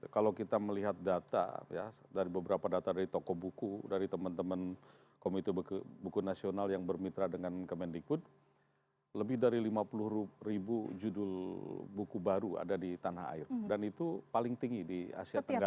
kalau kita melihat data ya dari beberapa data dari toko buku dari teman teman komite buku nasional yang bermitra dengan kemendikbud lebih dari lima puluh ribu judul buku baru ada di tanah air dan itu paling tinggi di asia tenggara